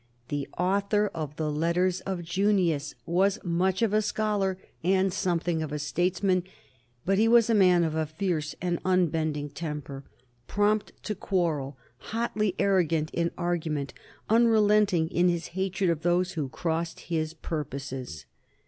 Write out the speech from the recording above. The author of the "Letters of Junius" was much of a scholar and something of a statesman, but he was a man of a fierce and unbending temper, prompt to quarrel, hotly arrogant in argument, unrelenting in his hatred of those who crossed his purposes.